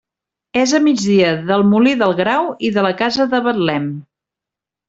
És a migdia del Molí del Grau i de la casa de Betlem.